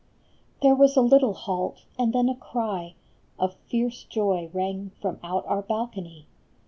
There was a little halt, and then a cry Of fierce joy rang from out our balcony.